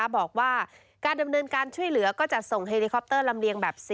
บอกว่าการดำเนินการช่วยเหลือก็จะส่งเฮลิคอปเตอร์ลำเลียงแบบ๔